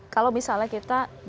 kalau misalnya kita